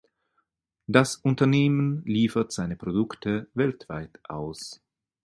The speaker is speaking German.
Das Unternehmen liefert seine Produkte weltweit aus.